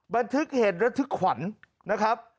บันทึกเหตุระทึกขวัญนะครับ